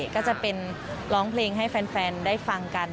ก็จะเป็นร้องเพลงให้แฟนได้ฟังกัน